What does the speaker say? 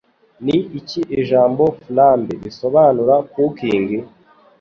Ni iki ijambo "Flambe" bisobanura Cooking?